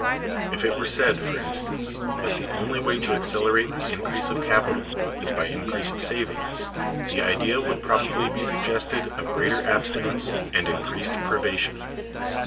If it were said, for instance, that the only way to accelerate the increase of capital is by increase of saving, the idea would probably be suggested of greater abstinence and increased privation.